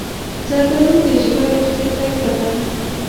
زردالو د جگر روغتیا ته ښه ده.